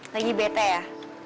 lagi bete ya